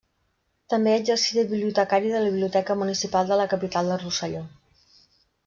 També exercí de bibliotecari de la biblioteca municipal de la capital del Rosselló.